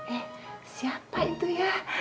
eh siapa itu ya